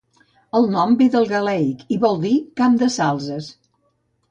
El nom ve del gaèlic i vol dir "camp de salzes".